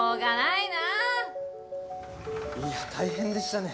いや大変でしたね。